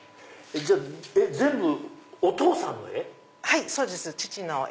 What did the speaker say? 全部お父さんの絵？